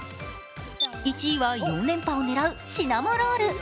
１位は４連覇を狙うシナモロール。